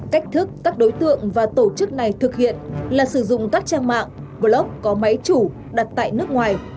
cách thức các đối tượng và tổ chức này thực hiện là sử dụng các trang mạng blog có máy chủ đặt tại nước ngoài